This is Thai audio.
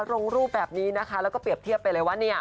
ลงรูปแบบนี้นะคะแล้วก็เปรียบเทียบไปเลยว่าเนี่ย